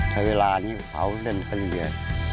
ใช้เวลานี้เผาเรื่องนี้